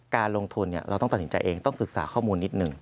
การลงทุนเราต้องตัดสินใจเองต้องศึกษาข้อมูลนิดนึง